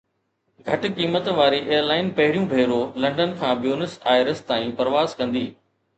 گھٽ قيمت واري ايئر لائن پهريون ڀيرو لنڊن کان بيونس آئرس تائين پرواز ڪندي